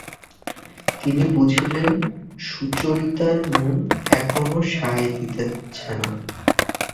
তিনি বুঝিলেন, সুচরিতার মন এখনো সায় দিতেছে না।